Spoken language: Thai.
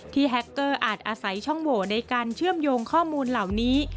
แฮคเกอร์อาจอาศัยช่องโหวในการเชื่อมโยงข้อมูลเหล่านี้